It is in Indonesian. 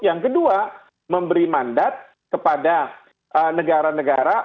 yang kedua memberi mandat kepada negara negara